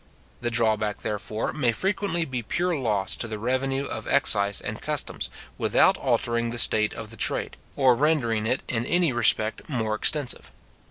The drawback, therefore, may frequently be pure loss to the revenue of excise and customs, without altering the state of the trade, or rendering it in any respect more extensive.